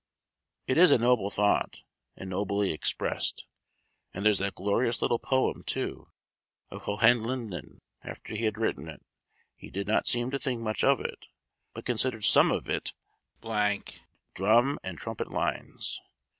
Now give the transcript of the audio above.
"It is a noble thought, and nobly expressed, And there's that glorious little poem, too, of 'Hohenlinden;' after he had written it, he did not seem to think much of it, but considered some of it'd d drum and trumpet lines.'